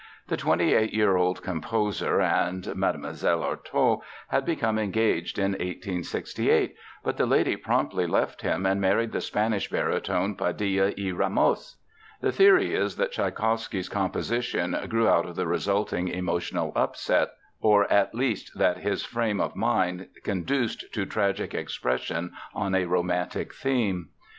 The twenty eight year old composer and Mlle. Artôt had become engaged in 1868, but the lady promptly left him and married the Spanish baritone Padilla y Ramos. The theory is that Tschaikowsky's composition grew out of the resulting emotional upset, or at least that his frame of mind conduced to tragic expression on a romantic theme.